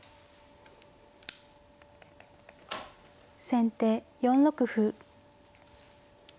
先手４六歩。